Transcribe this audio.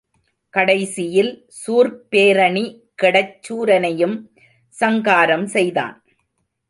கடைசியில் சூர்ப்பேரணி கெடச் சூரனையும் சங்காரம் செய்தான்.